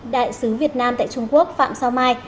đại sứ việt nam tại trung quốc phạm sao mai